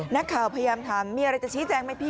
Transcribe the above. นักข่าวพยายามถามมีอะไรจะชี้แจงไหมพี่